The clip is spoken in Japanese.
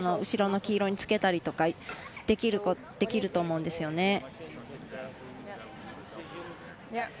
後ろの黄色につけたりとかできると思うんですよね。